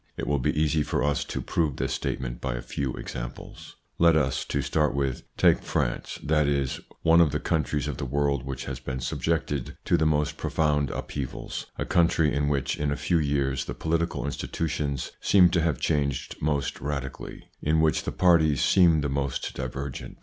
It will be easy for us to prove this statement by a few examples. Let us, to start with, take France, that is one of the countries of the world which has been subjected to the most profound upheavals, a country in which in a few years the political institutions seem to have changed most radically, in which the parties seem the most divergent.